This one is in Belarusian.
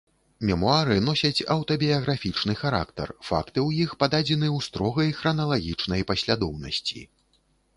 Мемуары носяць аўтабіяграфічны характар, факты ў іх пададзены ў строгай храналагічнай паслядоўнасці.